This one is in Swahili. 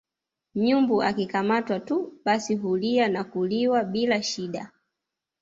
nyumbu akikamatwa tu basi hutulia na kuliwa bila shida